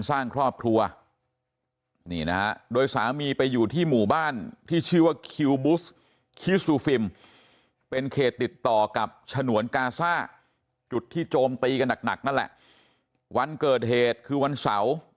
สร้างครอบทัวร์นี้นะโดยสามีไปอยู่ที่หมู่บ้านที่ชื่อว่า